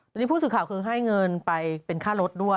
พี่ที่พูดสุดข่าวคือให้เงินไปเป็นค่ารสดด้วย